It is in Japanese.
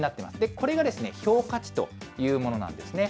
これが評価値というものなんですね。